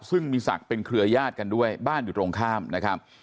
ซึ่งมีศักดิ์เป็นเครือยาศกันด้วยบ้านอยู่ตรงข้ามนะครับ